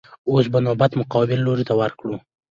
اوس به نوبت مقابل لور ته ورکړو.